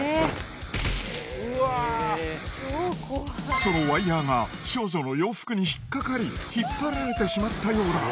そのワイヤーが少女の洋服に引っ掛かり引っ張られてしまったようだ。